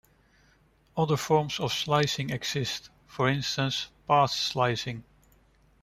Other forms of slicing exist, for instance path slicing.